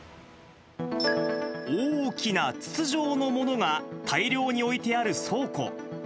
大きな筒状のものが大量に置いてある倉庫。